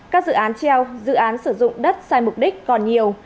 các dự án treo dự án sử dụng đất sai mục đích còn nhiều